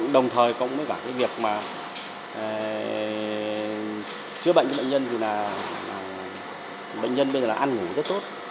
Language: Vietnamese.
đồng thời công việc chữa bệnh của bệnh nhân bệnh nhân bây giờ ăn ngủ rất tốt